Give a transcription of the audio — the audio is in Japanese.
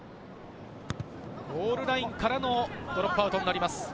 ゴールラインからのドロップアウトになります。